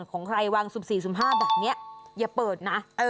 ของใครวาง๑๔๑๕แบบนี้อย่าเปิดนะ